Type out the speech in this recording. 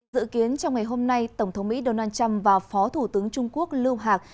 dự kiến trong ngày hôm nay tổng thống mỹ donald trump và phó thủ tướng trung quốc lưu hạc